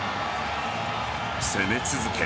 攻め続け